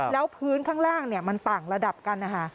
แล้วพื้นข้างล่างมันต่างระดับกันนะคะ